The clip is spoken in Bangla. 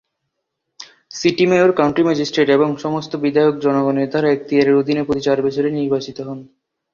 সিটি মেয়র, কাউন্টি ম্যাজিস্ট্রেট এবং সমস্ত বিধায়ক জনগণের দ্বারা এখতিয়ারের অধীনে প্রতি চার বছরে নির্বাচিত হন।